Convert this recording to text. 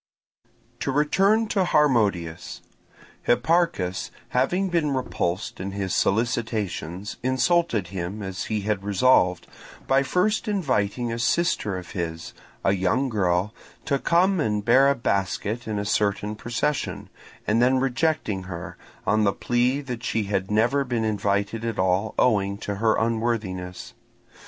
To return to Harmodius; Hipparchus having been repulsed in his solicitations insulted him as he had resolved, by first inviting a sister of his, a young girl, to come and bear a basket in a certain procession, and then rejecting her, on the plea that she had never been invited at all owing to her unworthiness.